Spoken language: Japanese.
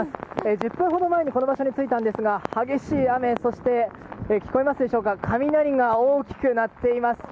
１０分ほど前に、この場所に着いたんですが、激しい雨そして雷が大きく鳴っています。